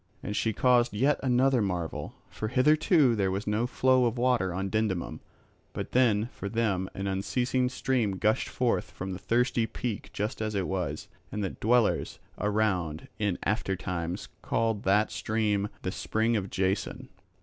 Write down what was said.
And she caused yet another marvel; for hitherto there was no flow of water on Dindymum, but then for them an unceasing stream gushed forth from the thirsty peak just as it was, and the dwellers around in after times called that stream, the spring of Jason.